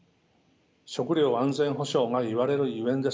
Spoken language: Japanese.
食料安全保障が言われるゆえんです。